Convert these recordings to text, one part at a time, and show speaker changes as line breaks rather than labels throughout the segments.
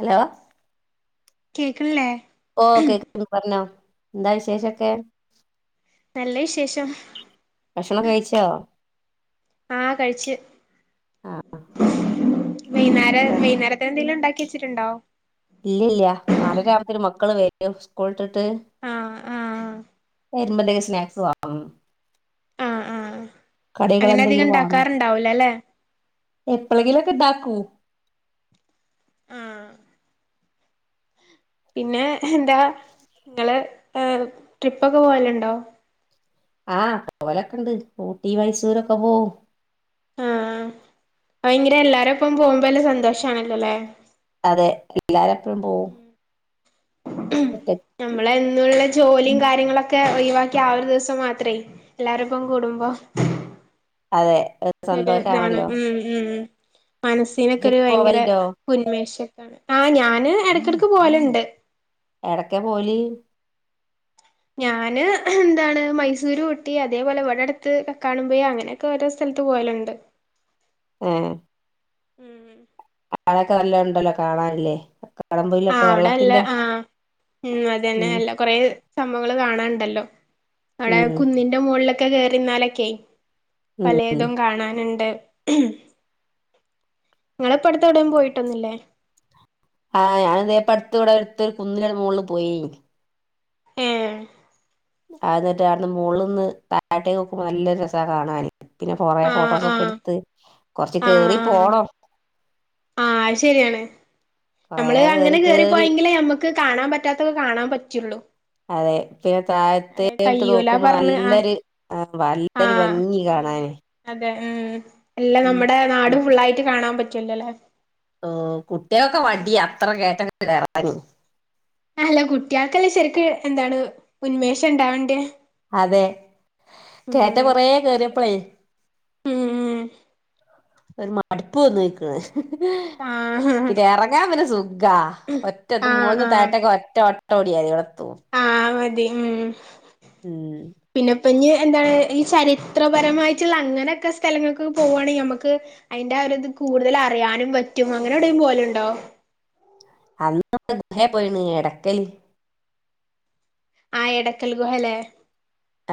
Hello
കേക്ക്ണില്ലേ.
ഓഹ് കേക്ക്ണ്ട് പറഞ്ഞോ. എന്താ വിശേഷൊക്കെ
നല്ല വിശേഷം
ഭക്ഷണം കഴിച്ചോ.
ആഹ് കഴിച്ച്
ആ
വൈന്നേരം വൈന്നേരക്കെന്തേലും ഇണ്ടാക്കി വെച്ച് ട്ട്ണ്ടാവും
ഇല്ലല്ലാ നാലെരാമത്തേന് മക്കള് വരും സ്കൂളിട്ടിട്ട്.
ആഹ് ആഹ്
ബത്തേന് സ്നാക്സ് വാങ്ങും
ആഹ് ആഹ് അങ്ങനെ അധികം
കടികളെന്തേലും വാങ്ങും.
ഉണ്ടാക്കാറുണ്ടാവൂല അല്ലെ
എപ്പളങ്കിലൊക്കെ ഇണ്ടാക്കും
ആഹ് പിന്നെ എന്താ ഇങ്ങള് ട്രിപ്പൊക്കെ പോവലുണ്ടോ.
ആഹ് പോവലൊക്കെണ്ട് ഊട്ടി മൈസൂരൊക്കെ പോവും.
ആഹ് ഭയങ്കര എല്ലാരെപ്പം പോമ്പ നല്ല സന്തോഷാണല്ലോല്ലെ
അതെ പിള്ളാരെപ്പഴും പോവും.
ഉം
ഒറ്റക്ക്
നമ്മള് എന്നുള്ള ജോലിയും കാര്യങ്ങളൊക്കെ ഒഴിവാക്കി ആ ഒരു ദിവസം മാത്രേ എല്ലാരും ഇപ്പം കൂടുമ്പോ
അതെ
ഒരു ഇതാണ്
സന്തോഷാണല്ലോ.
ഉം ഉം മനസ്സിനൊക്കൊരു
ഇജ്ജൊക്കെ
ഭയങ്കര
പോവലുണ്ടോ
ഉന്മേഷക്കെണ്ട് ആ ഞാന് ഇടയ്ക്കിടക്ക് പോവലുണ്ട്.
എടക്കെ പോവല്.
ഞാന് എന്താണ് മൈസൂര് ഊട്ടി അതേപോലെ ഇവിടെ അടുത്ത് കാണുമ്പോ അങ്ങനെ ക്കെ ഓരോ സ്ഥലത്ത് പോവലുണ്ട്.
ഏഹ്.
ഉം
ആടൊക്കെ നല്ല ഉണ്ടല്ലോ കാണാൻ ഇല്ലേ. കട പെയിൽ
അവിടെ നല്ല ആ ഉം അതന്നെ
ഉം
നല്ല കൊറെ സംഭവങ്ങൾ കാണാണ്ടല്ലോ. അടെ
ഉം
കുന്നിന്റെ മുകളിലൊക്കെ കേറിന്നാലൊക്കെ
ഉം
പലെതും കാണാനുണ്ട്. നിങ്ങളിപ്പോ അടുത്ത് എവിടിം പോയിട്ടൊന്നില്ലേ.
ആഹ് ഞാന് ഇതേപ്പം അടുത്ത് ഇവിടെടുത്ത് കുന്നിലെ മുകളിൽ പോയി.
ഏഹ്
ആഹ് എന്നട്ട് മോളിന്ന് താഴട്ടേക്ക് നോക്കുമ്പോം നല്ല രസാ കാണാന്. പിന്നെ കൊറ
ആഹ്
ഫോട്ടോസൊക്കെ
ആഹ്
എടുത്ത് കൊറച്ച്
ആഹ്
കേറി
ആഹ്
പോണം.
ആഹ് അയ്ശരിയാണ്
കൊറേ
നമ്മള് അങ്ങനെ
കേറി കേറി
കേറിപ്പോയെങ്കിലേ നമ്മക്ക് ക്ക് കാണാൻ പറ്റാത്തത് കാണാൻ പറ്റുള്ളു.
അതെ പിന്നെ താഴത്തേട്ട്
കയ്യൂല
നോക്കുമ്പോ
പറഞ്ഞ് ആഹ്
നല്ലൊരു ആ നല്ലൊരു
ആഹ്
ഭംഗി
ഉം
കാണാന്
അതെ ഉം എല്ല
ഉം
നമ്മുടെ നാടും ഫുള്ളായിട്ട് കാണാൻ പറ്റോല്ലല്ലേ.
ഉം കുട്ടിക്കെ മടിയാ അത്ര കേറ്റക്കെ കേറാൻ.
അല്ല കുട്ട്യൾക്കല്ലേ ശരിക്ക് എന്താണ് ഉൻമേഷം ഉണ്ടാവണ്ടേ.
അതെ കേറ്റം കൊറേ കേറിയപ്പളേ.
ഉം ഉം.
ഒരു മടുപ്പ് വന്ന് ഇൻക്ക്,
ആഹ്
ഇത് ഇറങ്ങാൻ പിന്നെ സുഖാ. ഒറ്റതും
ആഹ്
മോൾന്ന്
ആഹ്
താഴട്ടൊക്ക് ഒറ്റ ഓട്ടം ഓടിയാതി ഇവിടെത്തും.
ആ മതി ഉം.
ഉം.
പിന്നെപ്പം ഇഞ്ഞ് എന്താണ് ഈ ചരിത്രപരമായിട്ടുള്ള അങ്ങനൊക്കെ സ്ഥലങ്ങൾക്ക് പോവാണെങ്കിൽ നമുക്ക് അതിന്റെ ആ ഒരിത് കൂടുതൽ അറിയാനും പറ്റും അങ്ങനെ എവിടെലും പോവല് ഉണ്ടോ?
അന്ന് ' [inaudible] ' പോയിന് എടക്കല്
ആഹ് എടക്കൽ ഗുഹല്ലേ.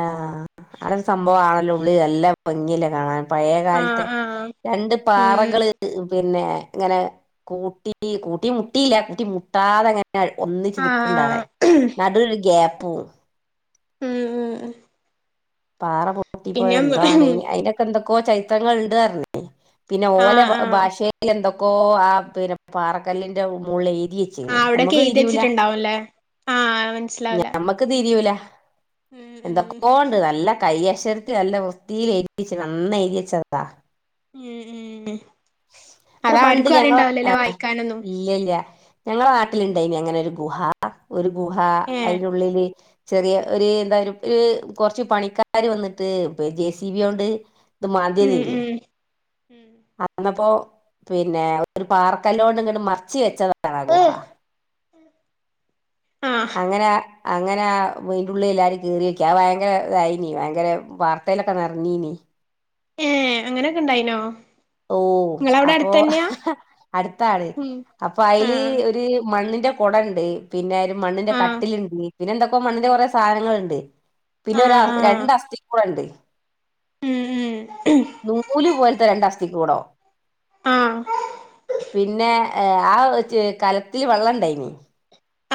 ആഹ് ആഹ് അവിടെ ഒരു സംഭവം ആണല്ലോ ഉള്ളിൽ നല്ല ഭംഗിയല്ലേ കാണാൻ. പഴയ
ആഹ്
കാലത്തെ
ആഹ്
രണ്ട് പാറകള്
ഉം
പിന്നെ അങ്ങനെ കൂട്ടി കൂട്ടി മുട്ടിയില്ല കൂട്ടി മുട്ടാതെ അങ്ങനെ ഒന്നിച്ച്
ആഹ്
നിക്കണ്ട് അവിടെ.
ആഹ്
നടൂല് ഒര് ഗ്യപ്പൂ.
ഉം ഉം ഉം
പാറ പൊട്ടിപ്പോയ എന്തോ ആണ് അയിനൊക്കെ എന്തൊക്കോ ചരിത്രങ്ങൾ ഇണ്ട് പറഞ്ഞ്. പിന്നെ ഓല
ആഹ്
ഭാഷേൽ എന്തൊക്കോ ആ പിന്നെ പാറക്കല്ലിന്റെ മോള് എഴുതി
ആ
വെച്ച്ക്ക്ണ്
അവിടെക്കെ
നമ്മക്ക്
എഴുതി
തിരിയൂല
വച്ചിട്ടുണ്ടാവും ല്ലേ ആഹ് മനസ്സിലാവൂല. ഉം ഉം
എന്തക്കോണ്ട് നല്ല കയ്യക്ഷരത്തിൽ നല്ല വൃത്തിൽ എഴുതി വെച്ചീണ് അന്ന് എഴതി വച്ചതാ
ഉം ഉം
ഇവിടെ
അത്
പണ്ട്
ആർക്കും
ഞങ്ങളെ
അറിയണ്ടാവുലല്ലേ വായിക്കാനൊന്നും.
ഇല്ല ഇല്ല ഞങ്ങളെ
ഉം ഉം
നാട്ടിലുണ്ടായിനി അങ്ങനെ ഒരു ഗുഹ ഒരു ഗുഹ
ഏഹ്
അതിനുള്ളില് ചെറിയ ഒരു എന്താ ഒരു കുറച്ച് പണിക്കാര് വന്നിട്ട് ജെ സി ബി യോണ്ട്
ഉം
മാന്തിയതേനി.
ഉം
അന്നപ്പോ പിന്നെ ഒ പാർക്കല്ലോണ്ട ഇങ്ങട്ട് മറച്ച് വെച്ചതാ ആ ഗുഹാ
[inaudible] ആഹ്
അങ്ങനെ അങ്ങനെ വീണ്ടുള്ളി എല്ലാരും കീറിഓക്കി ഭയങ്കര ഇതായിനീ ഭയങ്കര വാർത്തയിലൊക്കെ നർഞ്ഞീനീ
ഏ അങ്ങനക്കെ ഇണ്ടായിനോ
ഓ
നിങ്ങളവിടെ
അപ്പൊ
അടുത്തന്നെയാ
അട്ത്താണ്
ഉം
അപ്പൊ അയ്ല്
ആഹ്
ഒര് മണ്ണിന്റെ കൊട ഇണ്ട് പിന്നെ അയ്ല് മണ്ണിന്റെ
ആഹ്
കട്ടില്ണ്ട് പിന്നെ എന്തൊക്കോ മണ്ണിന്റെ കുറെ സാനങ്ങള്ണ്ട് പിന്നെ ഒരാ
ആഹ് ആഹ്
രണ്ട് അസ്ഥി കൂട ഇണ്ട്
ഉം ഉം
നൂല് പോലത്തെ രണ്ട് അസ്ഥി കൂടം
ആഹ്
പിന്നെ ഏ ആ ഓ കലത്തില് വള്ളം ഇണ്ടായിനു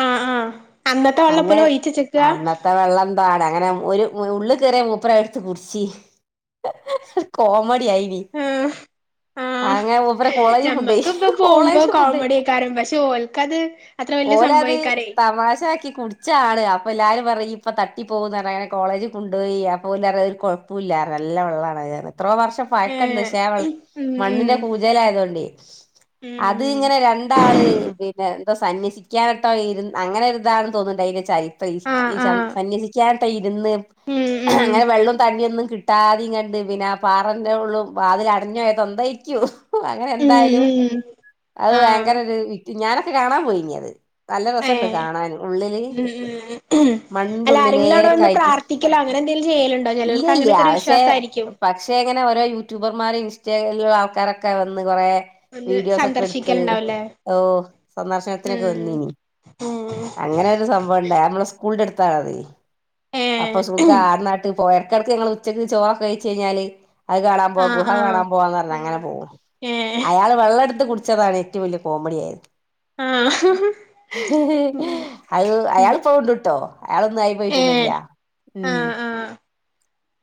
ആഹ് ആഹ് അന്നത്തെ
അങ്ങ്
വെള്ളപ്പൊലം ഒഴിച്ചച്ചക്കാ
അന്നത്തെ വെള്ളം പാട അങ്ങനെ ഒര് ഉള്ളീ കെറിയ മൂപ്പര് അഹ് ഇട്ത്ത് കുടിച്ചി കോമഡി ആയിനീ അങ്ങനെ മൂപ്പരെ കോളേജിൽ കൊണ്ടോയി
ഞമ്മക്കിപ്പൊ പോവ്മ്പോ
കോളേജിൽ കൊണ്ടോയി
കോമഡിയ്ക്കാരം പക്ഷെഓൽക്കത് അത്ര വല്യയ സംഭവിക്കാരെ
തമാശക്കി കുടിച്ചാള് അപ്പൊ എല്ലാരും പറയും ഇയ് ഇപ്പ തട്ടി പോവുന്നറ്ഞ്ഞ് അങ്ങനെ കോളേജിൽ കൊണ്ടോയി അപ്പൊ ഓല് അർഞ്ഞ് അഹ് ഒരു കൊഴ് പ്പുല്ലാ നല്ല വെള്ളാണ അഹ് എത്രോ വർഷം പയക്കണ്ട്
ഏഹ്
പക്ഷേ
ഉം ഉം
മണ്ണിന്റെ കൂജെലയതൊണ്ടയ്
ഉം
അത്
ഉം
ഇങ്ങനെ രണ്ടാള് പിന്നെ എന്തോ സന്യസിക്കാനട്ടോ ഇര്ന്ന് അങ്ങനെരിതാണ് തൊന്ന്ണ്ടയ്ന്റെ
ആഹ്
ചരിത്രം
ആഹ്
സന്യസിക്കാട്ടേ ഇര്ന്ന്
ഉം ഉം
അങ്ങനെ വെള്ളും തണ്ണീ ഒന്നും കിട്ടാതി ഇങ്ങട്ട് പിന്നെ ആ പാറന്റെ ഉള്ളും വാതില് അടഞ്ഞു പോയത് എന്തയ് ക്യു അങ്ങനെ
ഉം
എന്തായാലും
ഉം
അഹ്
ആഹ്
ഭയങ്കര ഒരു വിറ്റ് ഞാനൊക്കെ കാണാൻ പോയിനീ അത് നല്ല രസണ്ട്
ഏഹ്
കാണാന് ഉള്ളില്
ഉം ഉം ഉം
മണ്ണിന്റെ
അല്ല ആരെങ്കിലും അവടെ
ഉള്ളിലേക്കെ
വന്ന്
ആയിട്ട്
പ്രാർത്ഥിക്കലോ അങ്ങനെ എന്തെലും ചെയ്യല്ണ്ടോ
ഇല്ല
ചെലൊൽക്ക്
ഇല്ല
അങ്ങനൊക്കെ ഒരു വി
പക്ഷെ
ശ്വാസായിരിക്കും
പക്ഷെ ഇങ്ങനെ ഓരോ യൂട്യൂബർമാരും ഇൻസ്റ്റാഗ്രാല്ള്ള ആൾക്കാരൊക്കെ വന്ന് കൊറെ
വന്ന്
വീഡിയോസ് ഒക്കെ ഇട്ത്ത്
സന്ദർശിക്കലുണ്ടാവുല്ലേ
സന്ദർശനത്തിനൊക്കെ
ഉം
വന്നീനി
ഉം
അങ്ങനെ ഒരു സംഭവ ഇണ്ടായി നമ്മളെ സ്കൂളിന്റെ അട്ത്താണത്
ഏഹ്
അപ്പൊ സുഖാ ആട്ന്നാട്ട് പോയ്‌ ഇടക്കടക്ക് ഞങ്ങള് ഉച്ചക്ക് ചോറക്കേ കയ്ച്ചേയ്ഞ്ഞാല് അഹ് കാണാൻ പോകും
ആഹ്
ഗുഹ
ആഹ്
കാണാൻ പോവാന്നർഞ്ഞ്
ഉം
അങ്ങനെ പോവും
ഏഹ്
അയാള് വെള്ളട്ത്ത് കുടിച്ചതാണ് ഏറ്റം വല്യേ കോമഡിയായത്
ആഹ് ഉം
അഹ്
ഉം
അയാള് ഇപ്പളും ഇണ്ട്ട്ടോ അയാളൊന്നും ആയി
ഏഹ്
പോയിട്ടൊന്നുല്ല ഉം
ആഹ് ആഹ്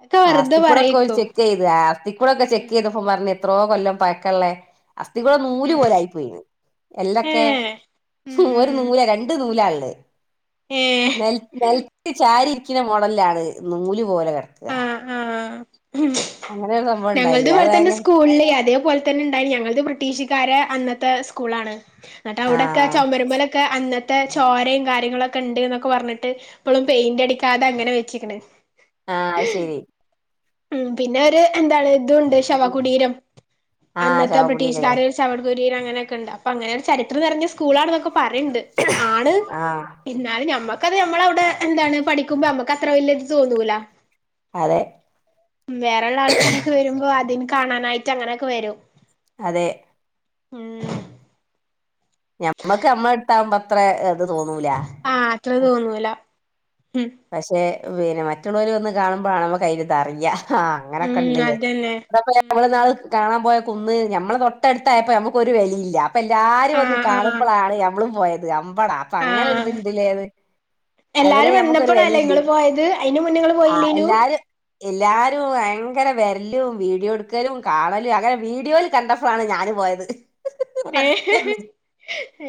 ഒക്കെ വെറുതെ
ആസ്ഥിക്കൂടൊക്കെ ഒര്
പറയേക്കും
ചെക്കയ്ത് ആസ്ഥിക്കൂടൊക്കെ
ഉം
ചെക്കയ്തപ്പൊ പറഞ്ഞ് എത്രോ കൊല്ലം പയ്ക്കള്ളേ അസ്ഥിക്കൂടം
ഉം
നൂല്
ഉം
പോലെ ആയി പോയിന്ന് എല്ലൊക്കെ
ഏഹ് ഉം
ഒര് നൂല രണ്ട് നൂല ഇള്ള്
ഏ
നെൽ നെൽത്ത് ചാരിരിക്ക്ണ മോഡലിലാണ് നൂല് പോലെ കെട്
ആ ആ
അങ്ങനെ ഒരു സംഭവം
ഞങ്ങളത്
ഉണ്ടായിനി അത്
ഇവട്ത്തന്നെ
ഭയങ്കര
സ്കൂളില് അതേപോലെ തന്നെ ഇണ്ടായിനീ ഞങ്ങളത് ബ്രിട്ടീഷ്ക്കാരെ അന്നത്തെ സ്കൂളാണ് ഇന്നട്ട് അവടൊക്കെ
ആഹ്
ചോമര്മലൊക്കെ അന്നത്തെ ചോരിം കാര്യങ്ങളൊ ക്കെ ഇണ്ട്ന്നൊക്കെ പർഞ്ഞിട്ട് ഇപ്പളും പെയിന്റ അടിക്കാതെ അങ്ങനെ വെച്ചിക്ക്ണ്
ആ അഹ് ശെരി
ഉം പിന്നെ ഒര് എന്താണ് ഇതും ഉണ്ട് ശവകുടീരം
ആഹ്
അന്നത്തെ
ശവകുടീരല്ലേ
ബ്രിട്ടീഷ്കാരെ ശവ കുടിരം അങ്ങനെക്കെ ഇണ്ട് അപ്പൊ അങ്ങനെ ചരിത്രം നെർഞ്ഞ സ്കൂളാണ്ന്നൊക്കെ പറിയ്ണ്ട് ആണ്
ആഹ്
ന്നാലും ഞമ്മക്കത് നമ്മള അവടെ എന്താണ് പഠിക്ക്മ്പോ നമ്മക്ക അത്ര വല്യയ ഇത് തോന്നൂല
അതെ
വേറെള്ള ആൾക്കാരൊക്കെ വര്മ്പോ അതിൻ കാണാനായിട്ട് അങ്ങനൊക്കെ വരും
അതെ
ഉം
ഞമ്മക്ക് ഞമ്മള എടുത്താകുമ്പോ അത്ര അത് തോന്നൂല.
ആഹ് അത്ര തോന്നൂല ഉം
പക്ഷെ പിന്നെ മറ്റുള്ളവര് വന്ന് കാണുമ്പോആണ് നമ്മക്കയിന്റെ ഇതറിയ. ആഹ് അങ്ങനെയൊക്കെ
ഉം
ഉണ്ടല്ലേ.
അതന്നെ
നമ്മള്ന്നാള് കാണാൻ പോയ കുന്ന് ഞമ്മള തൊട്ടടുത്തായപ്പൊ നമ്മുക്കൊരു വെലയില്ല അപ്പൊ എല്ലാരും
ആഹ് ആഹ്
കാണുമ്പൊളാണ് ഞമ്മളും പോയത് അമ്പടാ അപ്പൊ അങ്ങനെ ഒരു ത്
ആഹ്
ണ്ടല്ലേന്ന് അതുവരെഞ
ഇപ്പൊളല്ലേ ഇങ്ങള് പോയത് അയി ന് മുന്നേ ഇങ്ങള് പോയില്ലേനൂ.
എല്ലാരും എല്ലാരും ഭയങ്കര വരലും വീടിയോ എടുക്കലും കാണലും അങ്ങനെ വീഡിയോല്. കണ്ടപ്പോഴാണ് ഞാനും പോയത്.
ഏഹ്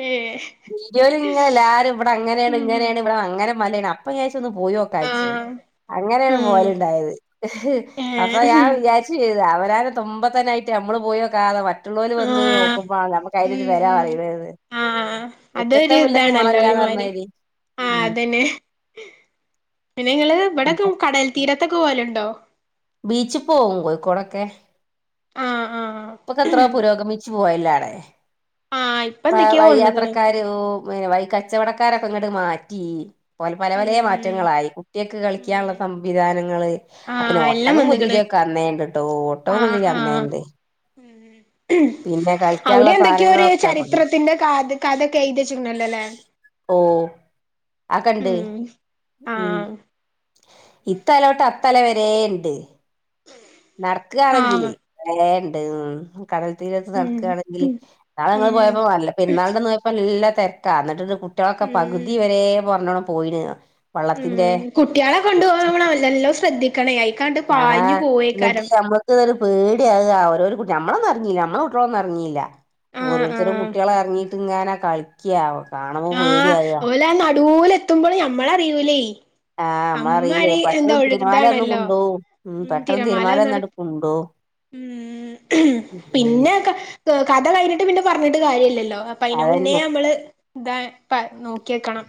ഏഹ്
വീഡിയോല് ഇങ്ങനെ എല്ലാരും ഇവിടെ അങ്ങനേണ്
ഉം ഉം
ഇങ്ങനേണ് ഇവിടെ അങ്ങനെ മലേണ്- അപ്പഞാവെച്ച് ഒന്ന് പോയോകാച്ചി
ആഹ്
അങ്ങനെയാണ്
ഉം
പോകലുണ്ടായത്. അപ്പൊ ഞാൻ
ഏഹ്
വിചാരിച്ച് അവനാന്റെ തുമ്പത്തന്നെ ആയിട്ട് നമ്മള് പോയോക്കാതെ മറ്റുള്ളവര് വന്ന്
ആഹ്
നോക്കുമ്പോ നമു അയിന്റൊരു
ഉം
വെല
ഉം
കളയിണത്
ആഹ് അതൊരു ഇതാണല്ലോ ഒരുമാരി
പറഞ്ഞമാതിരി
ആഹ്
ഉം
അതന്നെ. പിന്നെ ഇങ്ങള് ഇവിടെക്കെ കടൽ തീരത്തൊക്കെ പോകലുണ്ടൊ
ബീച്ചി പോകും കോഴിക്കോടൊക്കെ.
ആഹ് ആഹ്. ആഹ്
ഇപ്പൊക്കെ എത്ര പുരോഗമിച്ചു പോയല്ലാടേ.
ആഹ് ഇപ്പ എന്തൊക്കെയോ വന്ന് ക്ക്ണ്.
വഴി കച്ചവടക്കാരൊക്കെ അങ്ങോട്ട് മാറ്റി പലെ പലേ മാ റ്റങ്ങളായി കുട്ടികക്ക് കളിക്കാനുള്ള സംവിധാനങ്ങള്. അപ്പിന്നെ
ആഹ് എല്ലാം
ഒട്ടകം
വന്ന്ക്ക്ണ്
കുതിരേക്ക അന്നേണ്ട് ട്ടോ ഒട്ടകോം കുതിരേം അന്നേണ്ട്.
ഉം
പിന്നെ
അവിടെ
കളിക്കാനുള്ള
എന്തൊക്ക്യോര്
സാധനങ്ങളൊക്കെ
ചരിത്ര ത്തിന്റെ കാറ്റ് കഥെക്കെഴുതി വെച്ചി ട്ടുണ്ടല്ലേ.
ഓഹ് ആക്കണ്ട്
ഉം
ഉം
ആഹ്
ഇത്തലോട്ട് അത്തല വരേണ്ട്. നടക്ക് ആണെങ്കില്
ആഹ്
കൊറേണ്ട്. കടൽ തീരത്ത്
ഉം
നടക്കാണെങ്കില്
ഉം
ഇന്നാള് ഞങ്ങള്
ഉം
പോയപ്പൊ പെര്ന്നാളിന്റന്ന് പോയ പ്പം നല്ല തെരക്കാ ന്നിട്ട്ത് കുട്ടികളൊക്കെ
ഉം
പകുതിവരേ പറഞ്ഞോണം പോയീന്.
ഉം കുട്ടികളെ കൊണ്ടു പോകുമ്പ നമ്മള് നല്ലല്ലോം ശ്രദ്ധിക്കണേ അയികണ്ട് പാഞ്ഞു പോയേക്കാരം.
ഇക്ക് പേടിയാക ഓരോര് കുട്ടി മ്മളൊന്നും എറങ്ങീല മ്മള കുട്ടികളൊന്നും എറങ്ങീല
ആഹ്
ഓരോരുത്തര
ആഹ്
കുട്ടികളെറങ്ങീട്ട് ഇങ്ങനെ കളിക്ക്യാ കാണ
ആഹ് ഓല നടൂലെത്തുമ്പോള് ഞമ്മളറിയൂലേ
ആഹ് നമ്മളറിയില്ലേ
അമ്മാരി എന്താ
പെട്ടെന്ന് തിരമാല വന്ന്
ഒഴുകുതാണല്ലോ
കൊണ്ടോവും
ഉം
പെട്ടെന്ന് തിരമാല
തിരമാലവന്നട
വന്നാണ്ട് കൊണ്ടോവും
ഉം
ഉം
പിന്നെ ക ഥ കഥ കഴിഞ്ഞിട്ട് പിന്നെ പറഞ്ഞിട്ട് കാര്യല്ലല്ലോ അപ്പൊ അയിന് മുന്നേ
അതന്നെ
അമ്മള്. ഇതാപ്പ നോക്കിയേക്കണം.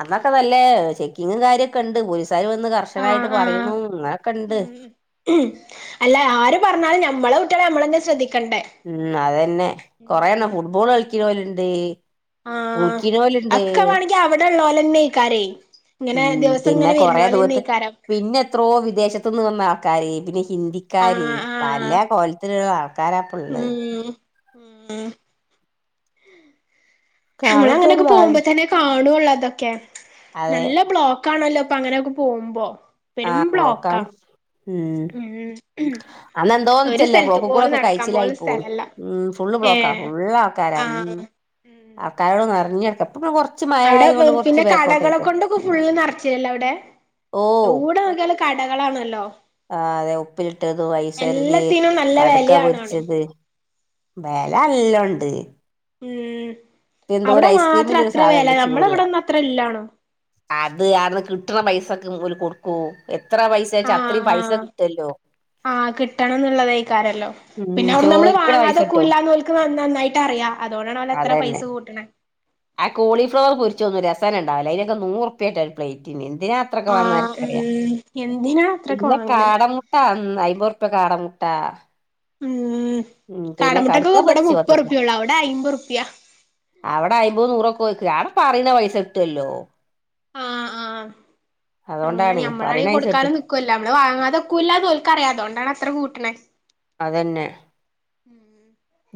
അന്നൊക്കെ നല്ലെ ചെക്കിങ്ങും കാര്യൊക്കെ ഉണ്ട് പോലീസുകാർ വന്ന്
ആഹ്
കർശനായിട്ട്
ആഹ്
പറയണു അങ്ങനൊക്കെണ്ട്.
അല്ല ആര് പറഞ്ഞാലും ഞമ്മളെ കുട്ടികളെ അമ്മളന്നെ ശ്രദ്ധിക്കണ്ടേ.
ഉം അതന്നെ കൊറേയെണ്ണം
ഉം
ഫുട്ബോൾ കളിക്കണോലുണ്ട്.
ആഹ്
കുളിക്കണോലുണ്ട്
അക്കെ വേണോങ്കി അവിടെള്ളോലന്നേക്കാരേ. ഇങ്ങനെ
ഉം
ദിവസം
പിന്നെ
ഇങ്ങനെ
കൊറേ ദൂരത്ത്
വരുന്നോലന്നേക്കാരം.
പിന്നെ എത്രോ വിദേശത്ത്ന്ന് വന്ന ആൾക്കാര് പിന്നെ ഹിന്ദിക്കാര്
ആഹ്
പല
ആഹ്
കോലത്തിലുള്ള ആൾക്കാരാപ്പുള്ളത്.
ഉം ഉം
കാണുമ്പോ ഒരു
നമ്മളങ്ങനൊക്കെ പോവുമ്പ
നാണി
തന്നെ. കാണൊള്ളു അതൊക്കെ
അതെ
നല്ല ബ്ലോക്കാണല്ലോപ്പങ്ങനെയൊക്കെ പോകുമ്പൊ. പെരും
ആ
ബ്ലോക്കാ
ബ്ലോക്കാണ്
ഉം.
അന്നെന്തോ
ഒരു
ന്നിച്ചല്ല
സ്ഥലത്ത്
ബ്ലോക്ക്
പോലും
കൂടെക്കെ
നടക്കാൻ
കയ്ച്ചിലായി
പോലും
പോന്നു
സ്ഥലല്ല
ഉം ഫുള്ള്
ഏ
ബ്ലോക്കാ ഫുള്ളാക്കാര ഉം.
ആഹ്
ആൾക്കാരൊ നെർഞ്ഞെട്ക്കം.
അവ്ടെ ഗെൾഫിന്റെ കടകളെ കൊണ്ടൊക്കെ ഫുള്ള് നർച്ചിനല്ലോ അവ്ടെ.
ഓ
എവ്ടെ നോകിയാലും കടകളാണല്ലോ.
ആഹ് അതെ ഉപ്പിലിട്ടതു ഐസൊര്തി
എല്ലാത്തിനും നല്ല
കടുക്ക
വിലയാണാണു
പൊരിച്ചത്. വെലല്ലോണ്ട്.
ഉം അവിടെ മാത്രം
ഐസ്ക്രീമിന്റെ ഒരു
അത്ര വെല
സാധനണ്ട് ചൂടുള്ള
നമ്മളവിടെന്നും അത്ര ഇല്ലാണും.
അത് ആട്ന്ന് കിട്ട്ണ പൈസക്ക് ഓല് കൊട്ക്കൂ എത്ര പൈസ വച്ചാ
ആഹ്
അത്രയും പൈസ
ആഹ്
കിട്ടല്ലോ.
ആഹ് കിട്ടണംന്നുള്ള ദെയ്കാരല്ലോ.
ഉം
പിന്നെ അവിട്ന്ന് നമ്മള്
ചോദിക്കണ പൈസ കിട്ടും
വാങ്ങാതെക്കൂല്ലാന്ന് ഓൽക് ന നന്നായിട്ട് അറിയാം അതോണ്ടാണ് ഓല് അത്ര പൈസ
അതന്നെ
കൂട്ട്ണ.
ആ കോളിഫ്ലവർ പൊരിച്ചതൊന്നും രസന്നെണ്ടാവുല അയ്നൊക്കെ നൂറുപ്പായിട്ട് ഒരു പ്ലേറ്റിന് എന്തിനാ. ത്രക്ക് വാങ്ങോ
ആഹ്
ആര്ക്കറ്യ
ഉം എന്തിനാ അത്രൊക്കെ
പിന്നെ
വാങ്ങണ്
കാടമു ട്ട ന്ന് അയ്മ്പുർപ്യ കാട മുട്ട.
ഉം
കടുക്ക
കാടമുട്ടക്കൊക്കെ ഇബടെ
പൊരിച്ച് പത്തറുപ്യ
മുപ്പർപ്പൊള്ളു അവിടെ അയ്മ്പുർപ്യ.
അവിടെ അയമ്പത് നൂറൊക്കെ ഓൽക്ക് ആടെ പറിണ പൈസട്ടുവല്ലോ.
ആഹ് ആഹ്
അതോണ്ടാണ് പറിണയ്‌സട്ടു.
ക്കൊല്ലൊ നമ്മള് വാങ്ങാതെക്കൂല്ലാന്ന് ഓൽക്ക് അറിയ അതോണ്ടാണ് അത്ര കൂട്ടണെ.
അതെന്നെ.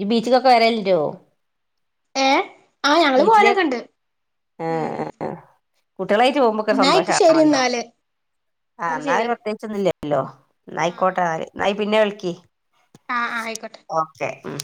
ഈ ബീച്ചിക്കൊക്കെ വരൽന്റോ.
ഏഹ് ആഹ് ഞങ്ങള്
ബീച്ചിലേ
പോവലൊക്കെണ്ട്
ഏ
ഉം
ഏ കുട്ട്യളായിട്ട് പോകുമ്പൊക്കെ
എന്നാ അയ്ക്ക് ശരി
സന്തോഷാണല്ലോ.
എന്നാല്
ആഹ് എന്നാ പ്രത്യേകിച്ചൊന്നും ഇല്ലല്ലോ
ആഹ്
ന്നായിക്കോട്ടെന്നാല് എന്നാ ഇയ് പിന്നെ വിളിക്ക്.
ആഹ് ആഹ് ആയിക്കോട്ടെ.
ഓക്കെ ഉം.